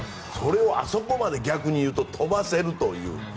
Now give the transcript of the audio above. それをあそこまで逆に言うと飛ばせるという。